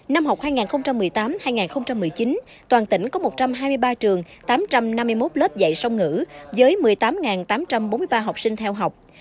năm học hai nghìn một mươi tám hai nghìn một mươi chín toàn tỉnh có một trăm hai mươi ba trường tám trăm năm mươi một lớp dạy song ngữ với một mươi tám tám trăm bốn mươi ba học sinh theo học